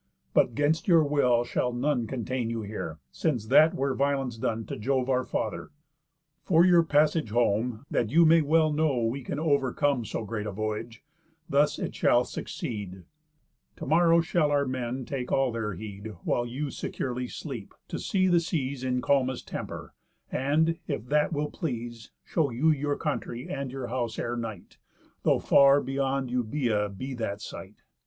But 'gainst your will shall none Contain you here, since that were violence done To Jove our Father. For your passage home, That you may well know we can overcome So great a voyage, thus it shall succeed: To morrow shall our men take all their heed, While you securely sleep, to see the seas In calmest temper, and, if that will please, Show you your country and your house ere night, Though far beyond Eubœa be that sight.